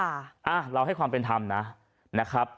อ่าเราให้ความเป็นธรรมนะนะครับ